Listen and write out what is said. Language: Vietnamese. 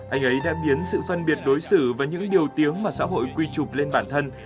anh ấy đã biến sự phân biệt đối xử và những điều tiếng mà xã hội quy trục lên bản thân